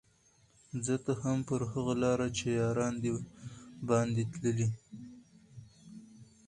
ځه ته هم پر هغه لاره چي یاران دي باندي تللي